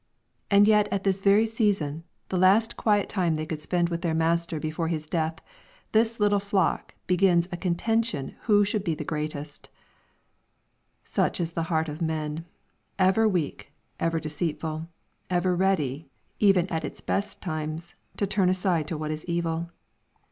And yet at this very season, the last quiet timo they could spend with their Master before His death, this little flock begins a contention who should be the greatest 1 Such is the heart of man, ever weak, ever deceitful, ever ready, even at its best times, to turn aside to what is evil.